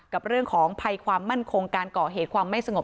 กับเรื่องของภัยความมั่นคงการก่อเหตุความไม่สงบ